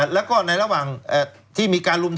และก็ในระหว่างที่มีการพูดออกมา